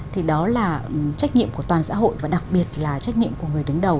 thì đó là trách nhiệm của toàn xã hội và đặc biệt là trách nhiệm của người đứng đầu